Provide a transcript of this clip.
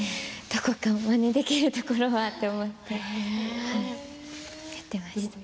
どこか、まねできるところはと思ってやっていました。